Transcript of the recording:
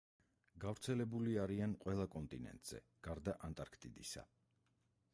გავრცელებული არიან ყველა კონტინენტზე, გარდა ანტარქტიდისა.